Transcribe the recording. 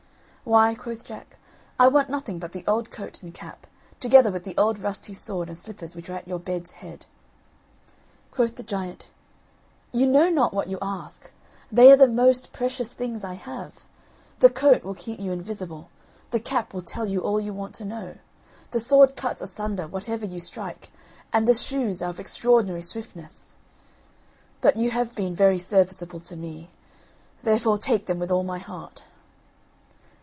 "Why," quoth Jack, "I want nothing but the old coat and cap, together with the old rusty sword and slippers which are at your bed's head." Quoth the giant: "You know not what you ask; they are the most precious things I have. The coat will keep you invisible, the cap will tell you all you want to know, the sword cuts asunder whatever you strike, and the shoes are of extraordinary swiftness. But you have been very serviceable to me, therefore take them with all my heart."